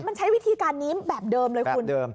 มันใช้วิธีการนี้แบบเดิมเลยคุณ